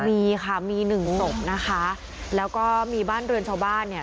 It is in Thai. มีค่ะมีหนึ่งศพนะคะแล้วก็มีบ้านเรือนชาวบ้านเนี่ย